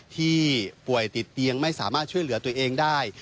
ที่ป่วยติดเตียงไม่สามารถช่วยเหลือตัวเองได้